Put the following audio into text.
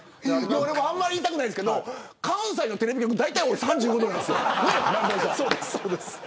あんまり言いたくないですけど関西のテレビ局だいたい３５度なんです。